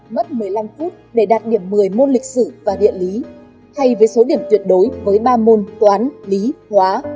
mất một mươi năm phút để đạt điểm một mươi môn lịch sử và địa lý hay với số điểm tuyệt đối với ba môn toán lý hóa